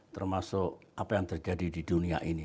termasuk apa yang terjadi di dunia ini